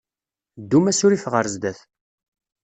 Ddum asurif ɣer sdat.